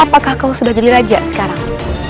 apakah kau sudah jadi raja sekarang